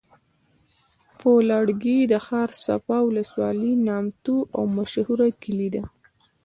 فولادګی د ښارصفا ولسوالی نامتو او مشهوره کلي دی